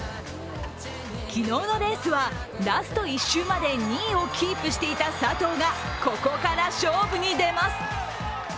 昨日のレースはラスト１週まで２位をキープしていた佐藤がここから勝負に出ます。